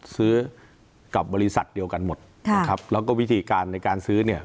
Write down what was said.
ซื้อกับบริษัทเดียวกันหมดนะครับแล้วก็วิธีการในการซื้อเนี่ย